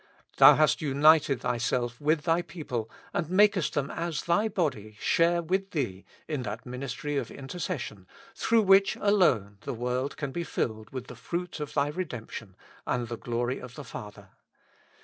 Thou hast united Thyself with Thy people and makest them as Thy body share with Thee in that ministry of inter cession, through which alone the world can be filled with the fruit of Thy redemption and the glory of the Father.